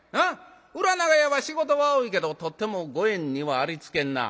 裏長屋は仕事が多いけどとっても五円にはありつけんなぁ。